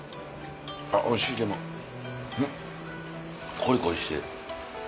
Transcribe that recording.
あっおいしいでもんっコリコリして。